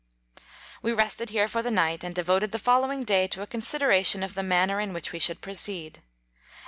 We rested here for the night, and devoted the following day to a consi deration of the manner in which we should proceed.